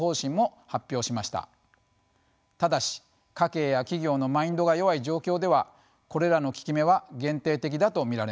ただし家計や企業のマインドが弱い状況ではこれらの効き目は限定的だと見られます。